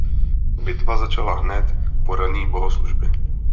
Bitva začala hned po ranní bohoslužbě.